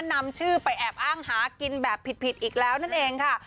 นำชื่อไปแอบอ้างหากินแบบผิดอีกแล้วนั่นเองค่ะ